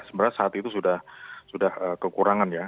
sebenarnya saat itu sudah kekurangan ya